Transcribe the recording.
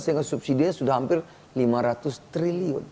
sehingga subsidinya sudah hampir lima ratus triliun